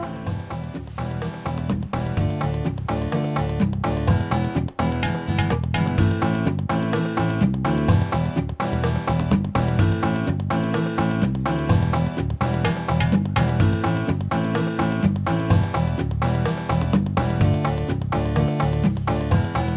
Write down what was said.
terima kasih om